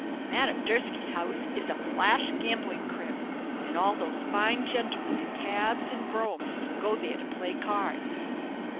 Madame Durski's house is a flash gambling crib, and all those fine gentlemen in cabs and broughams go there to play cards.'"